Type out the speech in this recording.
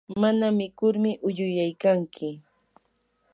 mana mikurmi uyuyaykanki.